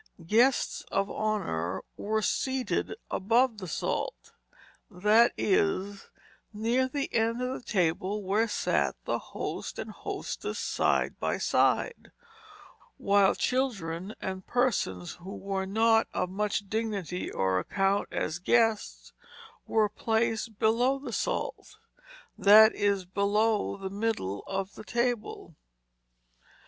Guests of honor were seated "above the salt," that is, near the end of the table where sat the host and hostess side by side; while children and persons who were not of much dignity or account as guests were placed "below the salt," that is, below the middle of the table.